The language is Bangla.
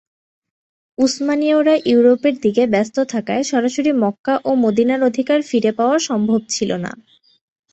উসমানীয়রা ইউরোপের দিকে ব্যস্ত থাকায় সরাসরি মক্কা ও মদিনার অধিকার ফিরে পাওয়া সম্ভব ছিল না।